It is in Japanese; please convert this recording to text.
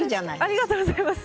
ありがとうございます。